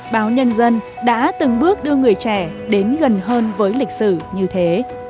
báo nhân dân đã từng bước đưa người trẻ đến gần hơn với lịch sử như thế